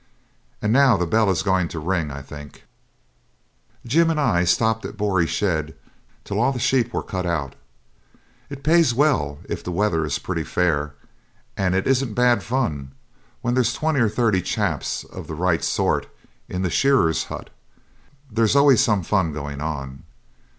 And now the bell is going to ring, I think.' Jim and I stopped at Boree shed till all the sheep were cut out. It pays well if the weather is pretty fair, and it isn't bad fun when there's twenty or thirty chaps of the right sort in the shearers' hut; there's always some fun going on.